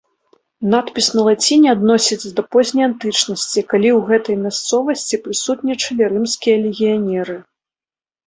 Надпіс на лаціне адносяць да позняй антычнасці, калі ў гэтай мясцовасці прысутнічалі рымскія легіянеры.